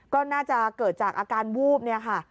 ก็น่าจะเกิดจากอาการวูบเนี่ยค่ะ